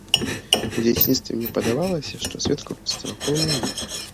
У дзяцінстве мне падавалася, што свет круціцца вакол мяне.